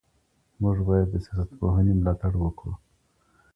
موږ بايد د سياستپوهني ملاتړ وکړو.